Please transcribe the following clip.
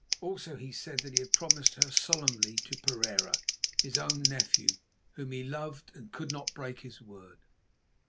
Also he said that he had promised her solemnly to Pereira, his own nephew, whom he loved, and could not break his word.